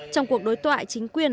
trong cuộc đối tọa chính quyền